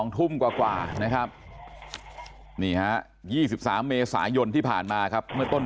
ทุ่มกว่านะครับนี่ฮะ๒๓เมษายนที่ผ่านมาครับเมื่อต้น